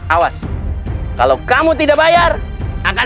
awas kalau kamu tidak bayar akan saya hajar